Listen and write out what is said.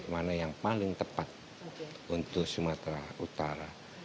mana yang paling tepat untuk sumatera utara